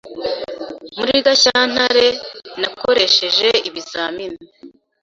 Muri Gashyantare nakoresheje ibizamini